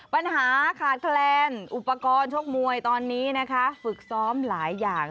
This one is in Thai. ปัญหาขาดแคลนอุปกรณ์ชกมวยตอนนี้นะคะฝึกซ้อมหลายอย่าง